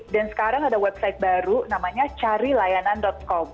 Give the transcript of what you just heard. dan sekarang ada website baru namanya carilayanan com